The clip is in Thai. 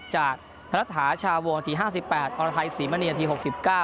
จากธรรมฐาชาวงศ์อาทิตย์๕๘ออนไทยศรีมะเนียนอาทิตย์๖๙